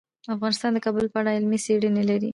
افغانستان د کابل په اړه علمي څېړنې لري.